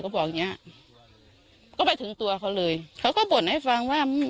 บอกอย่างเงี้ยก็ไปถึงตัวเขาเลยเขาก็บ่นให้ฟังว่า